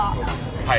はい。